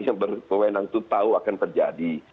yang berkewenang itu tahu akan terjadi